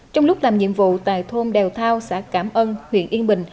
trong lúc làm nhiệm vụ tại thôn đèo thao xã cảm ân huyện yên bình